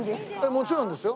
もちろんですよ。